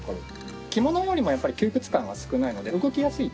着物よりもやっぱり窮屈感は少ないので動きやすい。